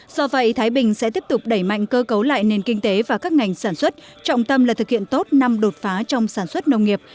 do vậy thái bình sẽ tiếp tục đẩy mạnh cơ cấu lại nền kinh tế và các ngành sản xuất trọng tâm là thực hiện tốt năm đột phá trong sản xuất nông nghiệp